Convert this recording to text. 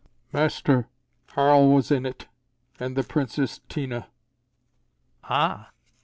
"Master, Harl was in it. And the Princess Tina." "Ah!"